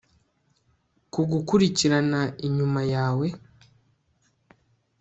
kugukurikirana inyuma yawe